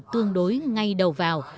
tương đối ngay đầu vào